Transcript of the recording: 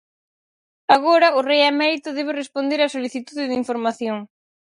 Agora, o rei emérito debe responder á solicitude de información.